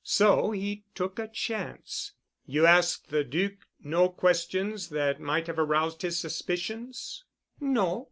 So he took a chance. "You asked the Duc no questions that might have aroused his suspicions?" "No.